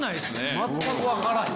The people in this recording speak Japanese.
全く分からへん。